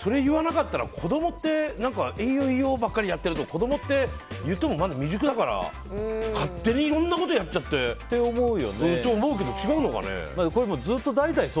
それ言わなかったら子供っていいよ、いいよばっかりやってると子供っていってもまだ未熟だから勝手にいろんなことやっちゃってと思うけどずっと代々そう。